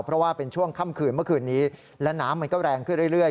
เพราะว่าเป็นช่วงค่ำคืนเมื่อคืนนี้และน้ำมันก็แรงขึ้นเรื่อย